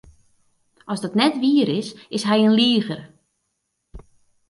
As dat net wier is, is hy in liger.